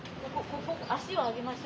足を上げましょう。